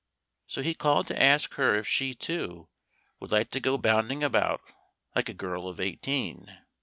So he called to ask her if she, too, would like to go bounding about like a girl of eighteen.